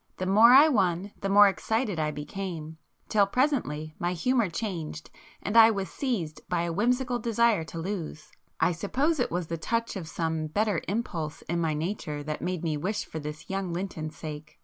The more I won the more excited I became, till presently my humour changed and I was seized by a whimsical desire to lose. I suppose it was the touch of some better impulse in my nature [p 108] that made me wish this for young Lynton's sake.